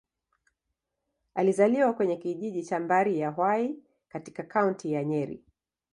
Alizaliwa kwenye kijiji cha Mbari-ya-Hwai, katika Kaunti ya Nyeri.